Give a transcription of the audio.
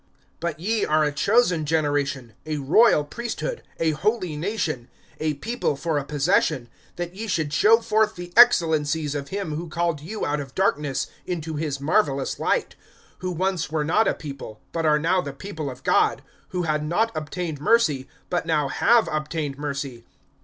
(9)But ye are a chosen generation, a royal priesthood, a holy nation, a people for a possession; that ye should show forth the excellencies of him who called you out of darkness into his marvelous light; (10)who once were not a people, but are now the people of God; who had not obtained mercy, but now have obtained mercy.